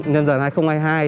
nhân dân này không ai hai